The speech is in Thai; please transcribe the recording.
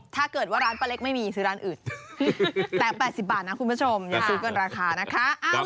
ถ้าเกิดว่าร้านป้าเล็กไม่มีซื้อร้านอื่นแต่๘๐บาทนะคุณผู้ชมอย่าซื้อเกินราคานะคะ